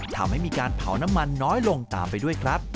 ทำให้มีการเผาน้ำมันน้อยลงตามไปด้วยครับ